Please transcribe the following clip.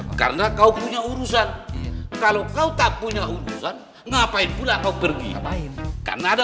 karena kau punya urusan kalau kau tak punya urusan ngapain pulang kau pergi karena ada